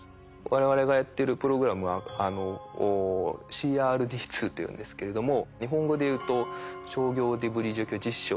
我々がやってるプログラムはＣＲＤ２というんですけれども日本語でいうと商業デブリ除去実証。